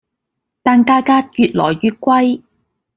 但價格越來越貴